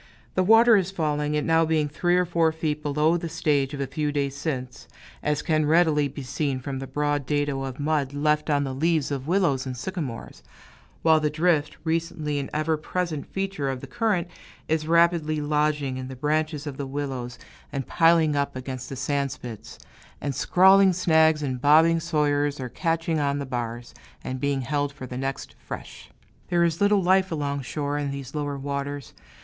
The water is falling, it now being three or four feet below the stage of a few days since, as can readily be seen from the broad dado of mud left on the leaves of willows and sycamores; while the drift, recently an ever present feature of the current, is rapidly lodging in the branches of the willows and piling up against the sand spits; and scrawling snags and bobbing sawyers are catching on the bars, and being held for the next "fresh." There is little life along shore, in these lower waters.